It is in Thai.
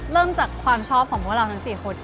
เริ่มจากความชอบของพวกเราทั้ง๔คน